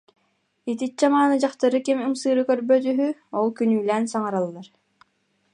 Итиччэ мааны дьахтары ким ымсыыра көрбөт үһү, ол күнүүлээн саҥараллар